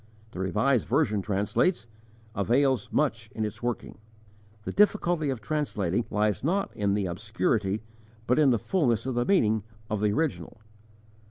The Revised Version translates, "avails much in its working." The difficulty of translating lies not in the obscurity but in the fulness of the meaning of the original.